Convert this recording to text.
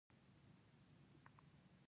ایا ستاسو نظر به وا نه وریدل شي؟